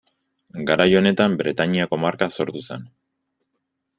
Garai honetan Bretainiako marka sortu zen.